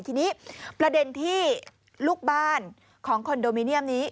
ทีนี้ประเด็นที่ลูกบ้านของคอนโดมิเนียมนี้